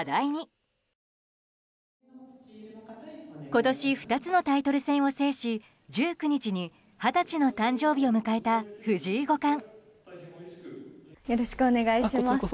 今年２つのタイトル戦を制し１９日に二十歳の誕生日を迎えた藤井五冠。